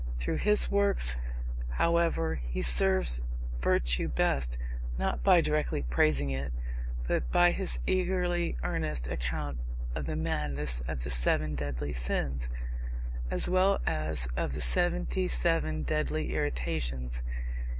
Through his works, however, he serves virtue best, not by directly praising it, but by his eagerly earnest account of the madness of the seven deadly sins, as well as of the seventy seven deadly irritations.